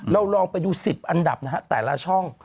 ลองไปดู๑๐อันดับนะฮะแต่ละช่อง